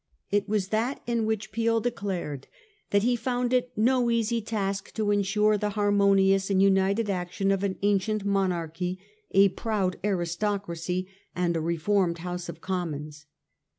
It was that in which Peel de clared that he found it ' no easy task to ensure the harmonious and united action of an ancient monarchy, a proud aristocracy, and a reformed House of Commons.